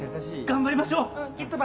頑張りましょう！